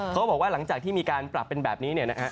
เขาบอกว่าหลังจากที่มีการปรับเป็นแบบนี้เนี่ยนะฮะ